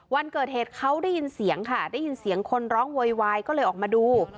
วันเกิดเหตุเขาได้ยินเสียงค่ะได้ยินเสียงคนร้องโวยวายก็เลยออกมาดู